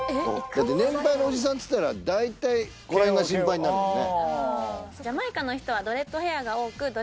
だって年配のおじさんっつったら大体この辺が心配になるよね